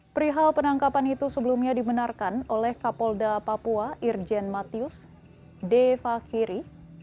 perihal penangkapan itu sebelumnya dibenarkan oleh kapolda papua irjen matius de fakiri